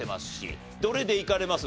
どれでいかれます？